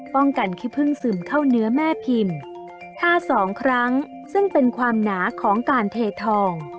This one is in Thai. กันขี้พึ่งซึมเข้าเนื้อแม่พิมพ์๕๒ครั้งซึ่งเป็นความหนาของการเททอง